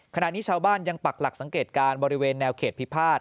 ขณะนี้ชาวบ้านยังปักหลักสังเกตการณ์บริเวณแนวเขตพิพาท